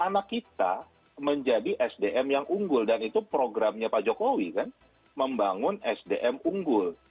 karena kita menjadi sdm yang unggul dan itu programnya pak jokowi kan membangun sdm unggul